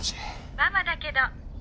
☎ママだけど。